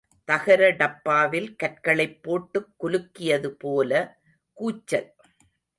தகர டப்பாவில் கற்களைப் போட்டுக் குலுக்கியதுபோல கூச்சல்.